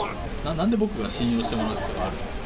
なんで僕が信用してもらう必要があるんですか。